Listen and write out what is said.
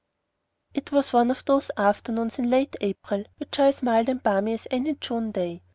It was one of those afternoons in late April which are as mild and balmy as any June day.